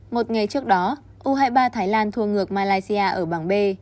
một ngày trước đó u hai mươi ba thái lan thua ngược malaysia ở bảng b